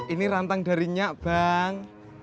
ini rantang darinya bang